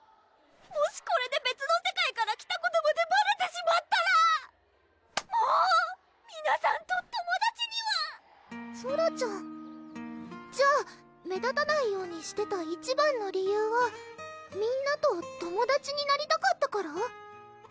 もしこれで別の世界から来たことまでバレてしまったらもう皆さんと友達にはソラちゃんじゃあ目立たないようにしてた一番の理由はみんなと友達になりたかったから？